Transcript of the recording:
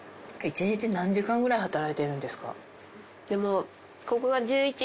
１日何時間くらい働いてるんですか？